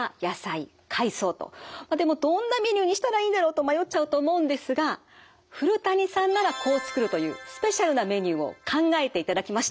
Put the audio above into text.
でもどんなメニューにしたらいいんだろうと迷っちゃうと思うんですが古谷さんならこう作るというスペシャルなメニューを考えていただきました。